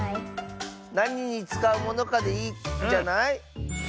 なににつかうものかでいいんじゃない？